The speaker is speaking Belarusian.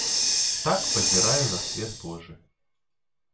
Так, пазіраю на свет божы.